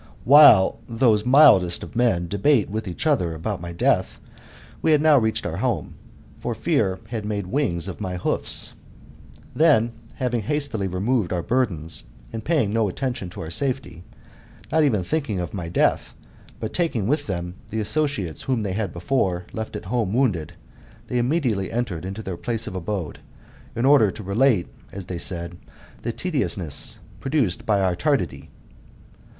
While those mildest of men^ debate with each other about my death, we had now reached our home ; for fear had made wings of my hoofs. Then, having hastily removed our burdens, and paying no attention to our safety, nor even thinking of kny death, but taking with them the associates whom they had be fore left at home wounded, they immediately entered into their place of abode, in order to relate, as they said, the tediousness produced by our tardity.